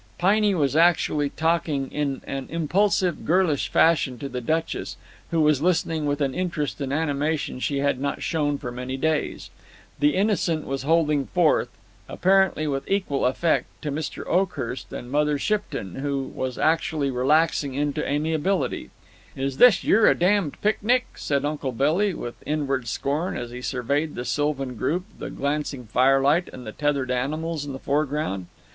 Piney was actually talking in an impulsive, girlish fashion to the Duchess, who was listening with an interest and animation she had not shown for many days. The Innocent was holding forth, apparently with equal effect, to Mr. Oakhurst and Mother Shipton, who was actually relaxing into amiability. "Is this yer a damned picnic?" said Uncle Billy with inward scorn as he surveyed the sylvan group, the glancing firelight, and the tethered animals in the foreground.